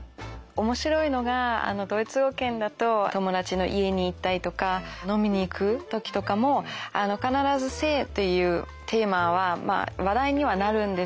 面白いのがドイツ語圏だと友達の家に行ったりとか飲みに行く時とかも必ず「性」っていうテーマは話題にはなるんですよね。